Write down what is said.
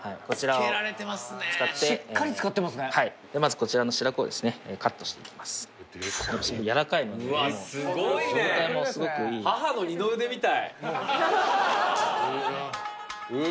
はいまずこちらの白子をカットしていきますやらかいので状態もすごくいいうわ